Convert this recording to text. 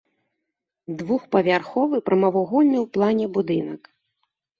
Двухпавярховы прамавугольны ў плане будынак.